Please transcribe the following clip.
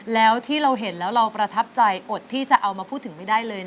แล้วที่เราเห็นแล้วเราประทับใจอดที่จะเอามาพูดถึงไม่ได้เลย